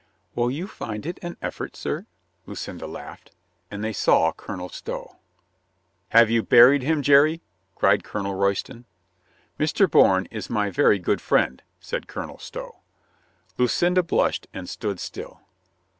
"Will you find it an effort, sir?" Lucinda laughed. And they saw Colonel Stow. "Have you buried him, Jerry?" cried Colonel Royston. "Mr. Bourne is my very good friend," said Colonel Stow. Lucinda blushed and stood still.